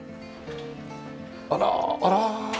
あらあら。